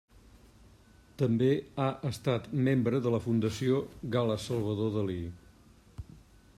També ha estat membre de la Fundació Gala-Salvador Dalí.